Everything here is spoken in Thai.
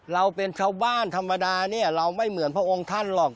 เราเป็นชาวบ้านธรรมดาเนี่ยเราไม่เหมือนพระองค์ท่านหรอก